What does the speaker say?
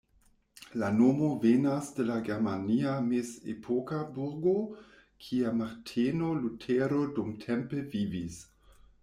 La nomo venas de la germania mezepoka burgo, kie Marteno Lutero dumtempe vivis.